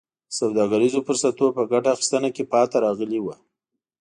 د سوداګریزو فرصتونو په ګټه اخیستنه کې پاتې راغلي وو.